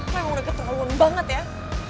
lo emang udah ketawa banget ya